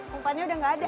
mumpanya udah gak ada